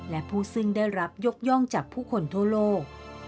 และผู้ซึ่งได้รับยกย่องจากผู้คนทั่วโลก